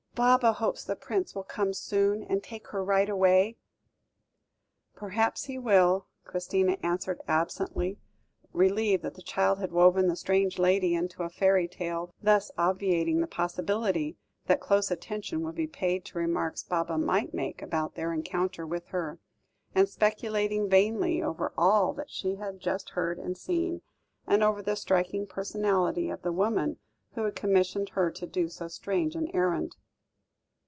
"Baba hopes the Prince will come soon, and take her right away." "Perhaps he will," Christina answered absently, relieved that the child had woven the strange lady into a fairy tale, thus obviating the possibility that close attention would be paid to remarks Baba might make about their encounter with her; and speculating vainly over all that she had just heard and seen, and over the striking personality of the woman who had commissioned her to do so strange an errand.